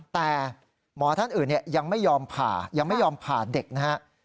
แต่หมอท่านอื่นยังไม่ยอมผ่าเด็กนะครับ